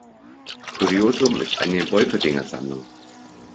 Kuriosum ist eine Wolpertinger-Sammlung.